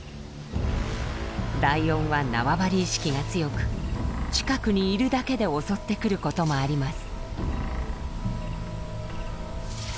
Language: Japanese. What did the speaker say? ライオンは縄張り意識が強く近くにいるだけで襲ってくることもあります。